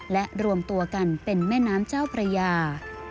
และรวมตัวกันเป็นแม่น้ำเจ้าพระยา